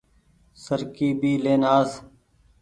سرڪي ڀي لين آس۔